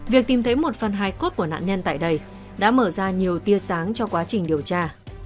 việc tìm thấy một phần hai cốt của nạn nhân tại đây đã mở ra nhiều tia sáng cho quá trình điều tra